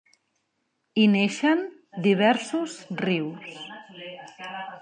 Hi neixen diversos rius.